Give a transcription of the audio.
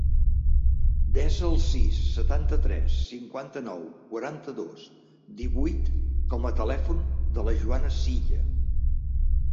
Desa el sis, setanta-tres, cinquanta-nou, quaranta-dos, divuit com a telèfon de la Joana Silla.